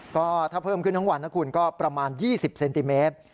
ก็ถ้าเพิ่มขึ้นทั้งวันนะคุณก็ประมาณ๒๐เซนติเมตร